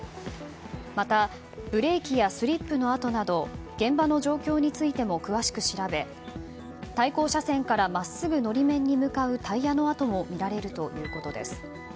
また、ブレーキやスリップの跡など現場の状況についても詳しく調べ、対向車線から真っすぐ法面に向かうタイヤの跡も見られるということです。